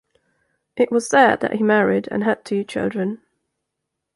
It was there that he married and had two children.